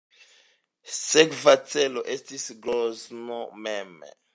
Sekva celo estis Grozno mem.